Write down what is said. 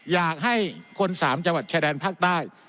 อยากให้คน๓จับจ่ายแดนภาคใต้